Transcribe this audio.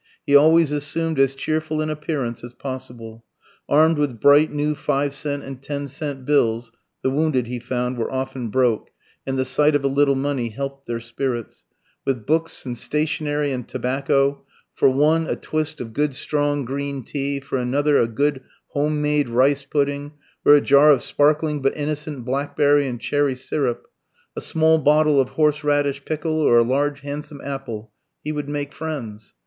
He always assumed as cheerful an appearance as possible. Armed with bright new five cent and ten cent bills (the wounded, he found, were often "broke," and the sight of a little money "helped their spirits"), with books and stationery and tobacco, for one a twist of good strong green tea, for another a good home made rice pudding, or a jar of sparkling but innocent blackberry and cherry syrup, a small bottle of horse radish pickle, or a large handsome apple, he would "make friends."